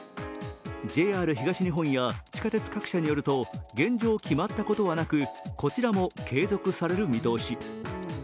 ＪＲ東日本や地下鉄各社によると現状、決まったことはなくこちらも継続される見通し。